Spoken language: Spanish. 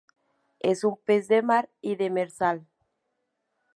Es un pez de mar y demersal.